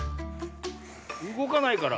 うごかないから。